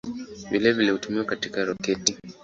Vile hutumiwa katika roketi.